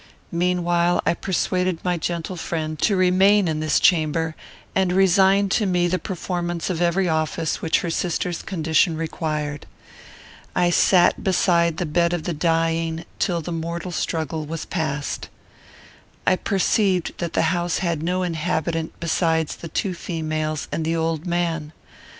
Meanwhile I persuaded my gentle friend to remain in this chamber, and resign to me the performance of every office which her sister's condition required. I sat beside the bed of the dying till the mortal struggle was past. I perceived that the house had no inhabitant besides the two females and the old man.